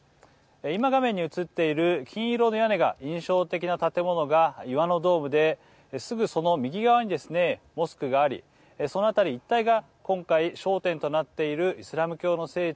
今、画面に映っている金色の屋根が印象的な建物が岩のドームですぐその右側にですねモスクがあり、その辺り一帯が今回、焦点となっているイスラム教の聖地